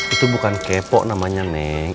itu bukan kepo namanya neng